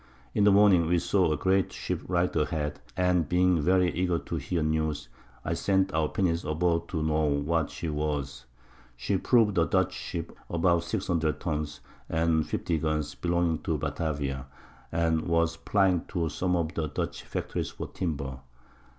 In the Morning we saw a great Ship right a head, and being very eager to hear News, I sent our Pinnace aboard to know what she was. She prov'd a Dutch Ship, about 600 Tuns, and 50 Guns, belonging to Batavia, and was plying to some of the Dutch Factories for Timber.